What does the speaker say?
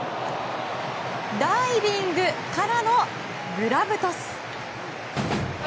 ダイビングからのグラブトス！